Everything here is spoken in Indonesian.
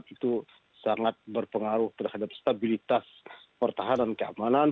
itu sangat berpengaruh terhadap stabilitas pertahanan keamanan